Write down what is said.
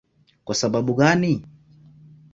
Kwa sababu gani?